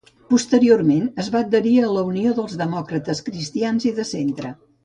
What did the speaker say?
Posteriorment es va adherir a la Unió dels Demòcrates Cristians i de Centre.